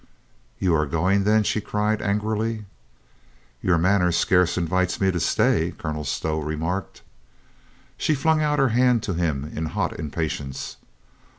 "You are going, then !" she cried angrily. "Your manner scarce Invites me to stay," Colonel Stow remarked. She flung out her hand to him in hot impatience.